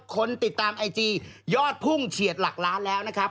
คนติดตามไอจียอดพุ่งเฉียดหลักล้านแล้วนะครับ